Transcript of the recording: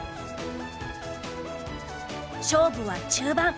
勝負は中盤。